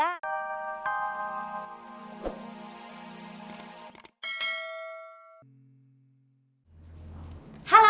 sampai jumpa lagi